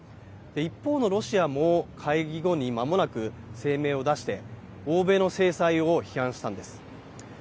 一方のロシアも、会議後にまもなく、声明を出して、欧米の制裁を批判したんです。